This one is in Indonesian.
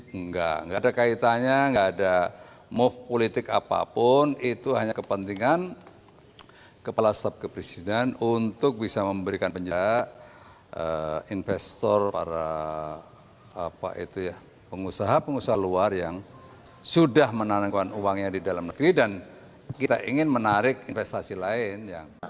enggak enggak ada kaitannya enggak ada move politik apapun itu hanya kepentingan kepala staf presiden untuk bisa memberikan penjaga investor para pengusaha pengusaha luar yang sudah menanamkan uangnya di dalam negeri dan kita ingin menarik investasi lain